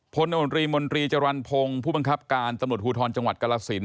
พลโนตรีมนตรีจรรพงศ์ผู้บังคับการตำรวจภูทรจังหวัดกรสิน